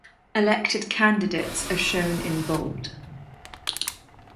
Elected candidates are shown in bold.